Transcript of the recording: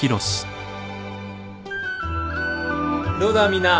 どうだみんな。